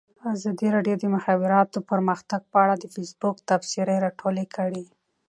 ازادي راډیو د د مخابراتو پرمختګ په اړه د فیسبوک تبصرې راټولې کړي.